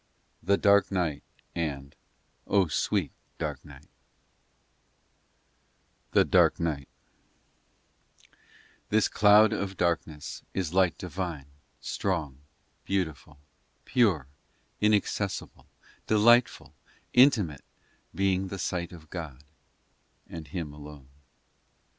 THE DARK NIGHT Aquella niebla escura I THIS cloud of darkness Is light divine, strong, beautiful, Pure, inaccessible, Delightful, intimate, Being the sight of God and Him alone.